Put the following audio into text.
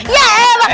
ya pak d